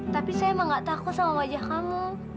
tapi saya emang gak takut sama wajah kamu